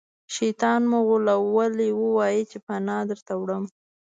شیطان مو غولوي ووایئ چې پناه دروړم.